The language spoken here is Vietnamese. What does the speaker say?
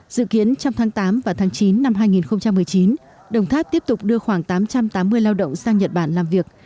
dự kiến trong tháng tám và tháng chín năm hai nghìn một mươi chín đồng tháp tiếp tục đưa khoảng tám trăm tám mươi lao động sang nhật bản làm việc